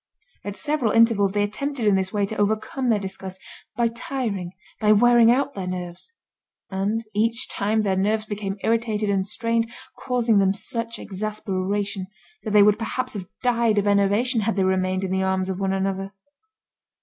At several intervals they attempted in this way to overcome their disgust, by tiring, by wearing out their nerves. And each time their nerves became irritated and strained, causing them such exasperation, that they would perhaps have died of enervation had they remained in the arms of one another.